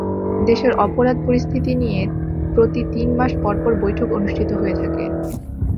দেশের অপরাধ পরিস্থিতি নিয়ে প্রতি তিন মাস পরপর বৈঠক অনুষ্ঠিত হয়ে থাকে।